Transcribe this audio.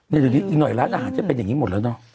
ยังหน่อยร้านอาหารจะเป็นอย่างนี้หมดแล้วเนอะ